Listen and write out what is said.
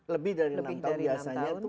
lebih dari enam tahun